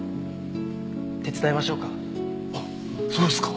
手伝いましょうか？